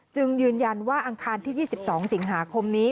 ยืนยันว่าอังคารที่๒๒สิงหาคมนี้